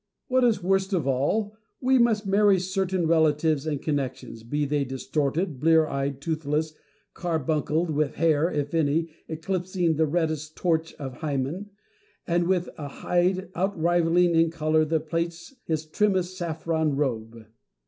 What is worst of all, we must marry certain relatives and connections, be they distorted, blear eyed, toothless, carbuncled, with hair (if any) eclipsing the reddest torch of Hymen, and with a hide outrivalling in colour and plaits his trimmest saffron robe.